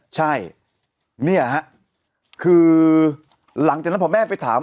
ใช่เนี่ยฮะคือหลังจากนั้นพอแม่ไปถาม